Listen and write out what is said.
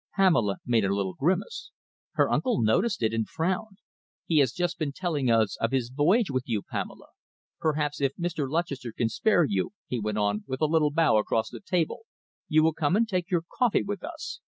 Pamela made a little grimace. Her uncle noticed it and frowned. "He has just been telling us of his voyage with you, Pamela. Perhaps, if Mr. Lutchester can spare you," he went on, with a little bow across the table, "you will come and take your coffee with us.